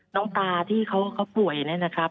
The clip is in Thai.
น้องตาที่เขาป่วยนะครับ